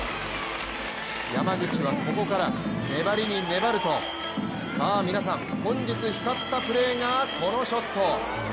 山口はここから粘りに粘るとさあ皆さん、本日光ったプレーがこのショット。